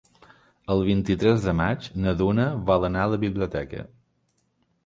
El vint-i-tres de maig na Duna vol anar a la biblioteca.